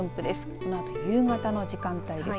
このあと夕方の時間帯です。